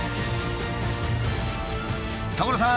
所さん！